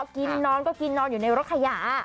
กินนอนก็กินนอนอยู่ในรถขยะ